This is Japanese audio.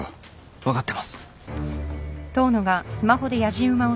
分かってます。